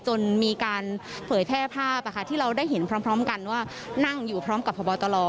จนมีการเผยแพร่ภาพที่เราได้เห็นพร้อมกันว่านั่งอยู่พร้อมกับพบตร